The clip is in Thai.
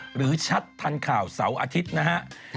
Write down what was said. หรือชัดทันข่าวเสาร์อาทิตย์นะฮะ